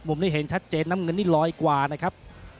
นี้เห็นชัดเจนน้ำเงินนี่ลอยกว่านะครับ